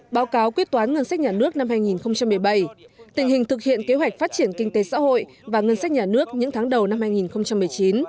báo cáo quyết toán ngân sách nhà nước năm hai nghìn một mươi bảy tình hình thực hiện kế hoạch phát triển kinh tế xã hội và ngân sách nhà nước những tháng đầu năm hai nghìn một mươi chín